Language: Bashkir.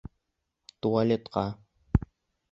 Туалетҡа!